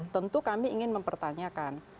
tentu kami ingin mempertanyakan